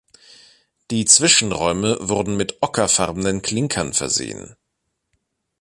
Die Zwischenräume wurden mit ockerfarbenen Klinkern versehen.